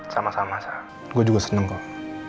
sama sama gue juga seneng kok